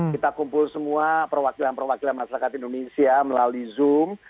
kita kumpul semua perwakilan perwakilan masyarakat indonesia melalui zoom